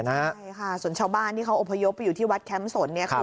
ใช่ค่ะส่วนชาวบ้านที่เขาอพยพอยู่ที่วัดแคมส์สน